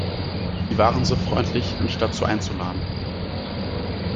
Sie waren so freundlich, mich dazu einzuladen.